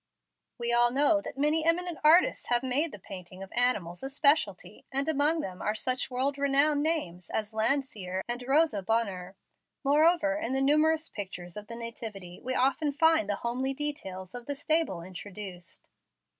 "We all know that many eminent artists have made the painting of animals a specialty, and among them are such world renowned names as Landseer and Rosa Bonheur. Moreover, in the numerous pictures of the Nativity we often find the homely details of the stable introduced.